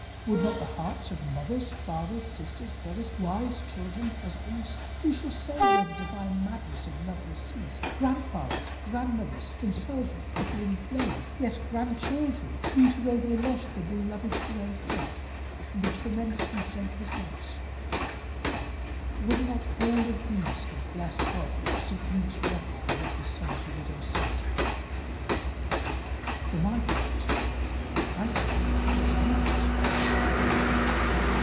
Would not the hearts of mothers, fathers, sisters, brothers, wives, children, husbands who shall say where the divine madness of love will cease? grandfathers, grandmothers themselves with flickering flame yes, grandchildren, weeping over the loss of the beloved gray head and tremulously gentle voice would not all these have blessed God for St Luke's record of what the son of the widow said? For my part, I thank God he was silent.